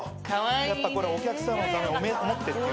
やっぱこれお客さまのためを思ってっていうね。